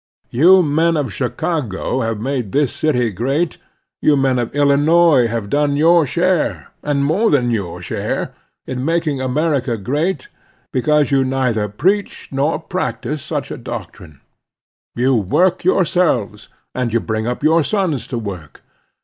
You men of Chicago have made this city great, you men of Illinois have done your share, and more than your share, in making America great, because you neither preach nor practise such a doctrine. You work yourselves, nd you bring up your sons to work.